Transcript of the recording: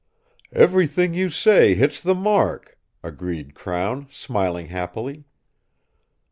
"Everything you say hits the mark!" agreed Crown, smiling happily.